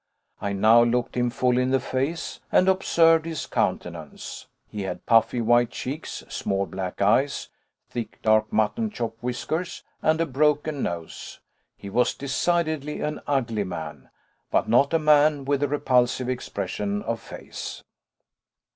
I now looked him full in the face and observed his countenance. He had puffy white cheeks, small black eyes, thick dark mutton chop whiskers, and a broken nose. He was decidedly an ugly man, but not a man with a repulsive expression of face.